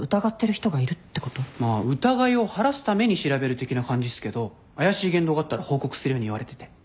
まあ疑いを晴らすために調べる的な感じっすけど怪しい言動があったら報告するように言われてて。